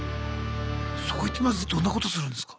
そこ行ってまずどんなことするんですか？